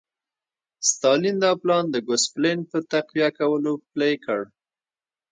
ستالین دا پلان د ګوسپلن په تقویه کولو پلی کړ